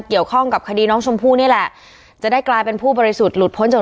เกี่ยวข้องกับคดีน้องชมพู่นี่แหละจะได้กลายเป็นผู้บริสุทธิ์หลุดพ้นจาก